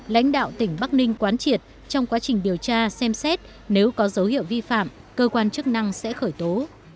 lãnh đạo tỉnh bắc ninh quán triệt trong quá trình điều tra xem xét nếu có dấu hiệu vi phạm cơ quan chức năng sẽ khởi tố